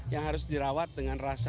yang harus dirawat dengan rasa